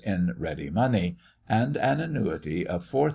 in ready money, and an annuity of 4,000l.